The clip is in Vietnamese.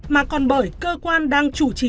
mà còn bởi cơ quan đang chủ trì